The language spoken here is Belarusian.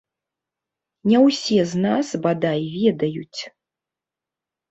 Не ўсе з нас, бадай, ведаюць.